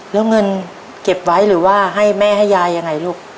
แล้วเงินเก็บไว้หรือว่าให้แม่ให้ยายยังไงลูก